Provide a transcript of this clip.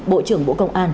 bộ trưởng bộ công an